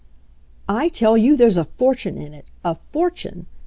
"I tell you there's a fortune in it — a fortune!"